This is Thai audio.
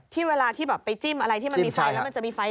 ที่เวลาที่ไปจิ้มอะไรที่มันมีไฟแล้วมันจะมีไฟติดขึ้นมา